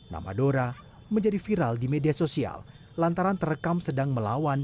nama dora menjadi viral di media sosial lantaran terekam sedang melawan